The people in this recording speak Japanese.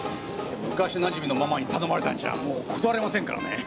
昔なじみのママに頼まれたんじゃもう断れませんからね。